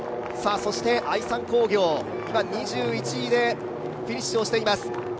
愛三工業、２１位でフィニッシュをしています。